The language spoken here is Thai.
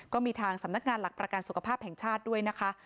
ก็มีทางสำนักงานหลักประกันสุขภาพแห่งชาติด้วยนะคะ